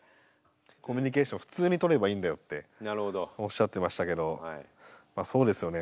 コミュニケーションを普通に取ればいいんだよっておっしゃってましたけどそうですよね